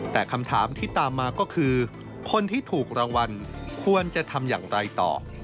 แต่คำถามที่ตามมาก็คือคนที่ถูกรางวัลควรจะทำอย่างไรต่อ